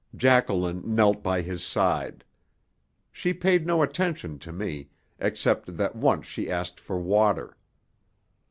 Jacqueline knelt by his side. She paid no attention to me, except that once she asked for water.